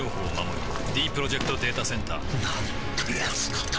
ディープロジェクト・データセンターなんてやつなんだ